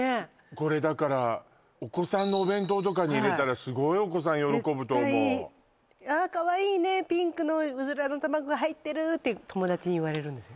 これだからお子さんのお弁当とかに入れたらすごいお子さん喜ぶと思う絶対「あっカワイイねピンクのうずらの卵が入ってる！」って友達に言われるんですよ